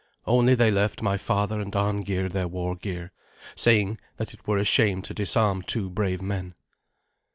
Only they left my father and Arngeir their war gear, saying that it were a shame to disarm two brave men.